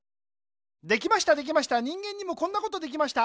できましたできました人間にもこんなことできました。